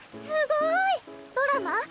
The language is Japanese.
すごい！ドラマ？